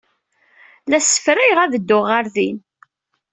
La ssefrayeɣ ad dduɣ ɣer din.